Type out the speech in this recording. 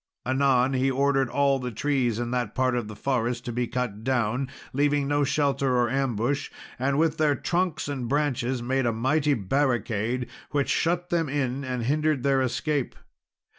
Anon, he ordered all the trees in that part of the forest to be cut down, leaving no shelter or ambush; and with their trunks and branches made a mighty barricade, which shut them in and hindered their escape.